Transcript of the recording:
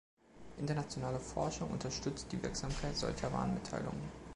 Internationale Forschung unterstützt die Wirksamkeit solcher Warnmitteilungen.